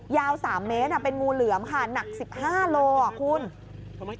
ยาว๓เมตรเป็นงูเหลือมค่ะหนัก๑๕โลอ่ะคุณ